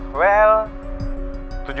tapi andin sibuk terus